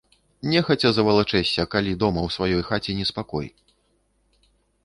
Нехаця звалачэшся, калі дома ў сваёй хаце неспакой.